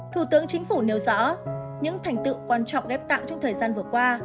thủ tướng chính phủ nêu rõ những thành tựu quan trọng ghép tặng trong thời gian vừa qua